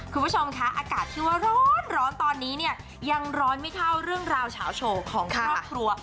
คุณผู้ชมคะอากาศที่ว่าร้อนตอนนี้เนี่ยยังร้อนไม่เท่าเรื่องราวเฉาโชว์ของครอบครัว